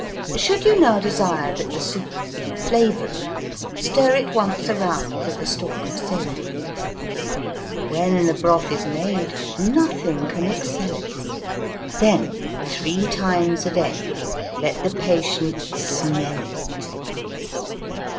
Should you now desire That the soup be flavoury, Stir it once around. With a stalk of savoury. When the broth is made, Nothing can cxcell it: Then three times a day Let the patient smell it.